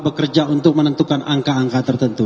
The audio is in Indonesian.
bekerja untuk menentukan angka angka tertentu